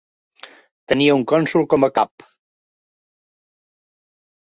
Tenia un cònsol com a cap.